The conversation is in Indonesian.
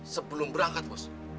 sebelum berangkat bos